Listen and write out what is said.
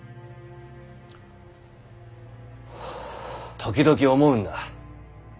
時々思うんだ。